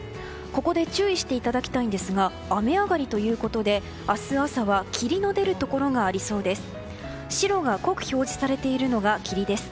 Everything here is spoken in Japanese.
ここで注意していただきたいんですが雨上がりということで明日朝は霧の出るところがありそうです。